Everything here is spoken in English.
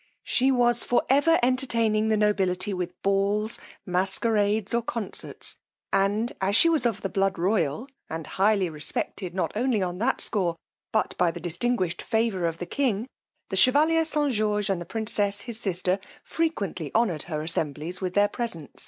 she was for ever entertaining the nobility with balls, masquerades, or concerts; and as she was of the blood royal, and highly respected not only on that score, but by the distinguish'd favour of the king, the Chevalier St. George, and the princess his sister, frequently honoured her assemblies with their presence.